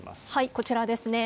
こちらですね。